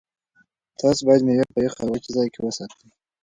تاسو باید مېوې په یخ او وچ ځای کې وساتئ.